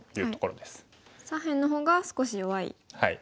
左辺の方が少し弱い。